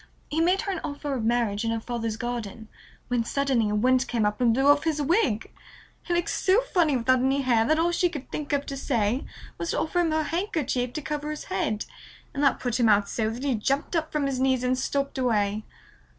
He made her an offer of marriage in her father's garden, when suddenly a wind came up and blew off his wig. He looked so funny without any hair that all she could think of to say was to offer him her handkerchief to cover his head, and that put him out so that he jumped up from his knees and stalked away.